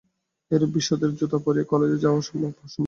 এরূপ বিসদৃশ জুতা পরিয়া কলেজে যাওয়াই অসম্ভব।